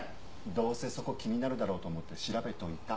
どうせそこ気になるだろうと思って調べておいた。